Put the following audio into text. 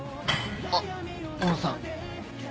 あっ小野さん。